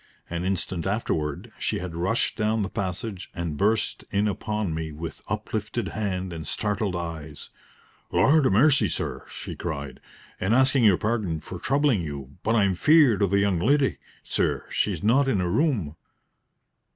An instant afterward she had rushed down the passage and burst in upon me with uplifted hand and startled eyes. "Lord 'a mercy, sir!" she cried, "and asking your pardon for troubling you, but I'm feared o' the young leddy, sir; she is not in her room."